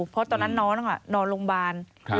เพราะตอนนั้นน้องนอนโรงพยาบาล